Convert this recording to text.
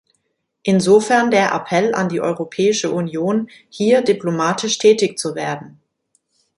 Insofern der Appell an die Europäische Union, hier diplomatisch tätig zu werden.